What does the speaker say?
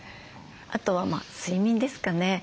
あとは睡眠ですかね。